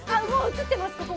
映ってます。